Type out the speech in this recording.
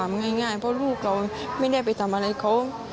จะไม่ยอมฟ้ามง่ายเพราะลูกเราไม่ได้ไปทำอะไรเขา